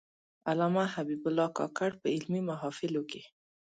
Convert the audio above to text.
علامه حبیب الله کاکړ په علمي محافلو کې.